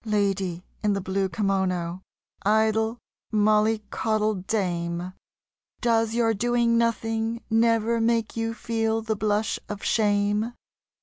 Lady in the blue kimono, idle mollycoddle dame, Does your doing nothing never make you feel the blush of shame?